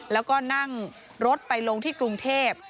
แล้วก็นั่งรถไปลงที่กรุงเทพ